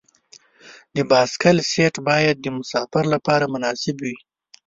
د بایسکل سیټ باید د مسافر لپاره مناسب وي.